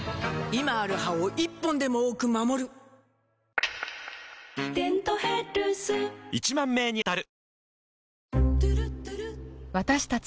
今ある歯を１本でも多く守る「デントヘルス」１０，０００名に当たる！